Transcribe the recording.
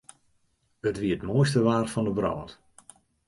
It wie it moaiste waar fan de wrâld.